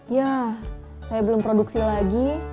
ya saya belum produksi lagi